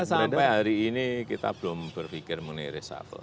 sampai hari ini kita belum berpikir mengenai reshuffle